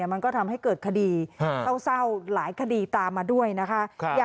มันก็ทำให้เกิดคดีเศร้าหลายคดีตามมาด้วยนะคะ